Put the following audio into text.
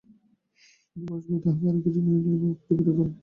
তবু পরেশবাবু তাহাকে আরো কিছুদিনের সময় লইবার জন্য পীড়াপীড়ি করিলেন।